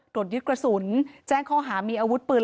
ตรวจยึดกระสุนแจ้งข้อหามีอาวุธปืน